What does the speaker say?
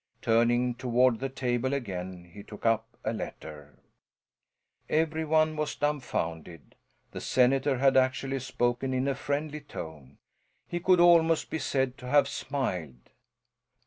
Turning toward the table again, he took up a letter. Every one was dumbfounded. The senator had actually spoken in a friendly tone. He could almost be said to have smiled.